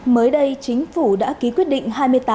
mới đây chính phủ đã ký quyết định hai mươi tám